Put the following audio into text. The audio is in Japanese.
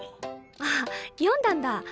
あ読んだんだ。